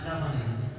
itu berangkatan kamar ya